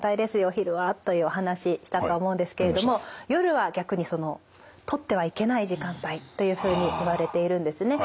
昼はというお話したと思うんですけれども夜は逆にそのとってはいけない時間帯というふうにいわれているんですね。